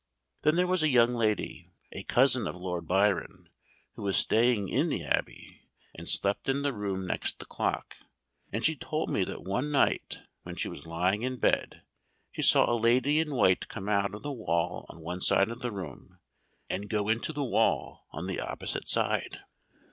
Then there was a young lady, a cousin of Lord Byron, who was staying in the Abbey and slept in the room next the clock; and she told me that one night when she was lying in bed, she saw a lady in white come out of the wall on one side of the room, and go into the wall on the opposite side.